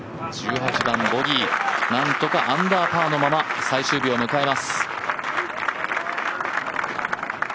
１８番、ボギーなんとかアンダーパーのまま最終日を迎えます。